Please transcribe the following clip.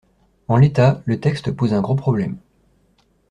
En l’état, le texte pose un gros problème.